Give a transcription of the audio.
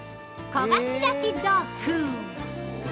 焦がし焼き豆腐！